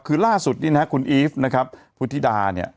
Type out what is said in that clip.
คือล่าสุดนี่นะครับคุณอีฟนะครับพุทธิดาเนี่ย